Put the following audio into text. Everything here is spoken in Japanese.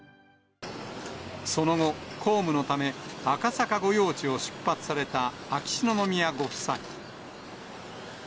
その後、公務のため、赤坂御用地を出発された秋篠宮ご夫妻。